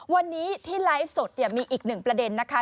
วันนี้ที่ไลฟ์สดเนี่ยมีอีกหนึ่งประเด็นนะคะ